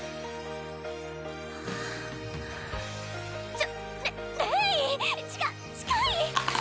ちょっレレイ近っ近い！